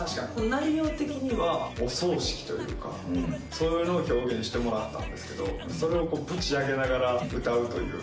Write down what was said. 内容的にはお葬式というか、そういうのを表現してもらったんですけど、それをぶち上げながら歌うという。